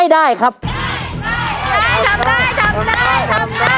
เร็วเร็ว